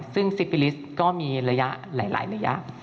ซึ่งซิปิลิสต์ก็มีระยะหลายระยะ